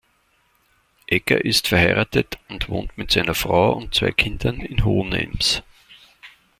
Egger ist verheiratet und wohnt mit seiner Frau und zwei Kindern in Hohenems.